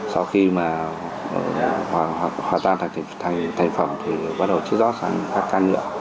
sau khi mà hóa ra thành thành phẩm thì bắt đầu chứa gió sang các căn lựa